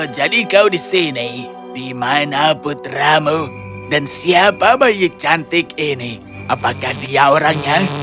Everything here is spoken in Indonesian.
jadi kau di sini dimana putramu dan siapa bayi cantik ini apakah dia orangnya